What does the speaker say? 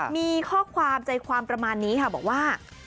มีข้อความใจความประมาณนี้ค่ะบอกว่า